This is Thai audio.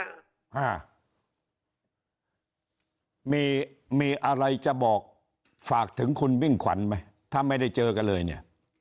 อ่ามีมีอะไรจะบอกฝากถึงคุณมิ่งขวัญไหมถ้าไม่ได้เจอกันเลยเนี่ย